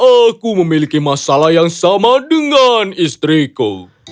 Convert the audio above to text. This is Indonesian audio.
aku memiliki masalah yang sama dengan istriku